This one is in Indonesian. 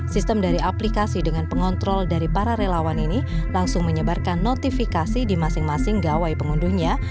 sistem dari aplikasi dengan pengontrol dari para relawan ini langsung menyebarkan notifikasi di masing masing gawai pengunduhnya